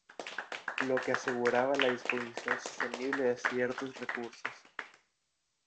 lo que aseguraba la disposición sostenible de ciertos recursos